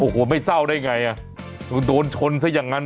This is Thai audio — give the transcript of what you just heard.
โอ้โหไม่เศร้าได้ไงอ่ะดูโดนชนซะอย่างนั้น